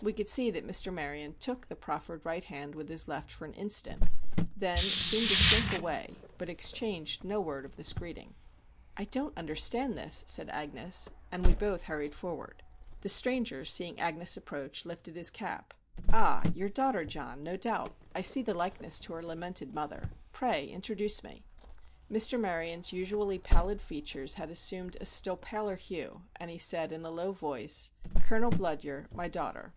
We could see that Mr. Maryon took the proffered right hand with his left for an instant, then seemed to shrink away, but exchanged no word of this greeting. "I don't understand this," said Agnes, and we both hurried forward. The stranger, seeing Agnes approach, lifted his cap. "Ah, your daughter, John, no doubt. I see the likeness to her lamented mother. Pray introduce me." Mr. Maryon's usually pallid features had assumed a still paler hue, and he said in a low voice: "Colonel Bludyer—my daughter."